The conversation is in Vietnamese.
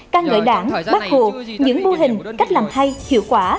căng ngợi đảng bác hộ những mô hình cách làm hay hiệu quả